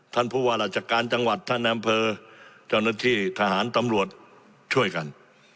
ท่านผู้ว่าราชการจังหวัดท่านอำเภอเจ้าหน้าที่ทหารตำรวจช่วยกัน